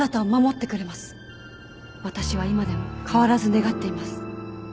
私は今でも変わらず願っています。